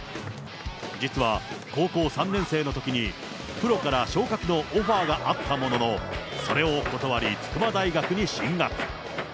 実は高校３年生のときにプロから昇格のオファーがあったものの、それを断り筑波大学に進学。